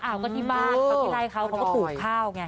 ก็ที่บ้านตอนที่ไล่เขาเขาก็ปลูกข้าวไง